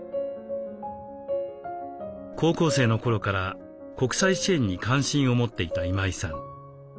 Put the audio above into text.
高校生の頃から国際支援に関心を持っていた今井さん。